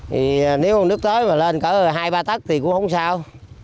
thì nếu nước tới mà lên cả hai ba tắc thì cũng không sao